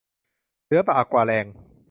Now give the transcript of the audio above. เหลือบ่ากว่าแรง